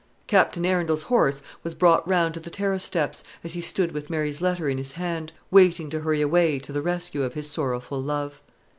Captain Arundel's horse was brought round to the terrace steps, as he stood with Mary's letter in his hand, waiting to hurry away to the rescue of his sorrowful love.